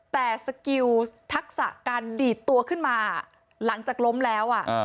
แต่สกิลทักษะการดีดตัวขึ้นมาหลังจากล้มแล้ว